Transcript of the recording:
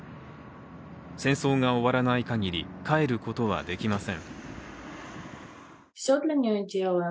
戦争が終わらないかぎり帰ることはできません。